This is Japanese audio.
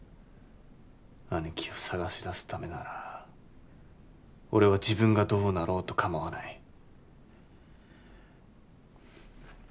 姉貴を捜し出すためなら俺は自分がどうなろうと構わない。